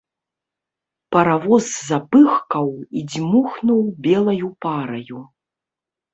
Паравоз запыхкаў і дзьмухнуў белаю параю.